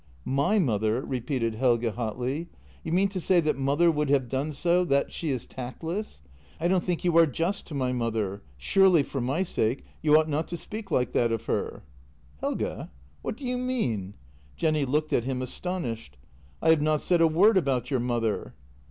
" My mother," repeated Helge hotly. " You mean to say that mother would have done so — that she is tactless. I don't think you are just to my mother — surely, for my sake, you ought not to speak like that of her." "Helge! What do you mean?" Jenny looked at him, astonished. " I have not said a word about your mother."